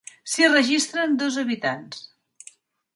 S'hi registren dos habitants.